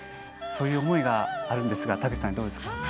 そういう思いがあるんですが田口さん、どうでしょうか。